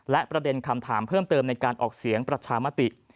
และประเด็นคำถามเพิ่มเติมในการออกเสียงประชามติ